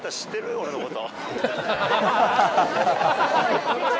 俺のこと。